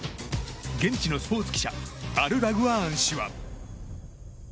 現地のスポーツ記者アル・ラグアーン氏は。